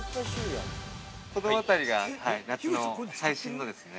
◆この辺りが、夏の最新のですね。